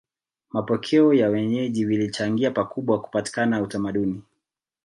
Mapokeo ya wenyeji vilichangia pakubwa kupatikana utamaduni